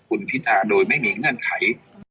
คุณพิธาโดยไม่มีเงื่อนไข